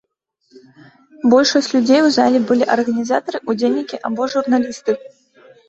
Большасць людзей у зале былі арганізатары, удзельнікі або журналісты.